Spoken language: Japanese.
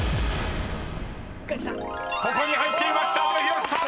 ［ここに入っていました！］